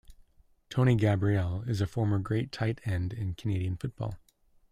Tony Gabriel is a former great tight end in Canadian football.